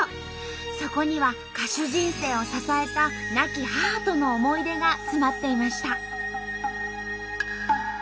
そこには歌手人生を支えた亡き母との思い出が詰まっていました。